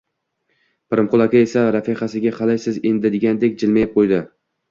Pirimqul aka esa rafiqasiga, qalaysiz endi, degandek jilmayib qo`ydi